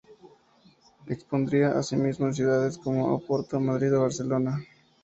Expondría asimismo en ciudades como Oporto, Madrid o Barcelona.